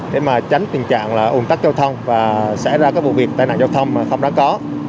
để mà tránh tình trạng là ủng tắc giao thông và xảy ra các vụ việc tai nạn giao thông mà không đáng có